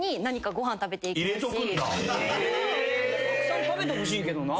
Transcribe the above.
たくさん食べてほしいけどなぁ。